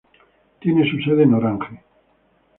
Tiene su sede en Orange.